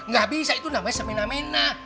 gak bisa itu namanya semina mena